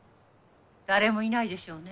誰もいないでしょうね？